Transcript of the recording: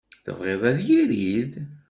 Tebɣiḍ ad irid?